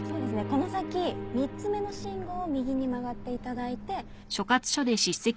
この先３つ目の信号を右に曲がっていただいて。